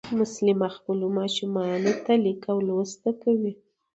مسلیمه خپلو ماشومانو ته لیک او لوست زده کوي